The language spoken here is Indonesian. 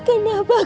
ibu juga pusing